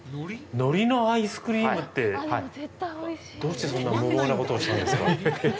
のりのアイスクリームってどうして、そんな無謀なことをしたんですか。